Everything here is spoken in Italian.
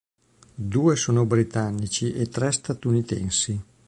Due sono britannici e tre statunitensi.